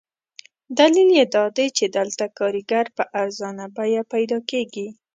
دلیل یې دادی چې دلته کارګر په ارزانه بیه پیدا کېږي.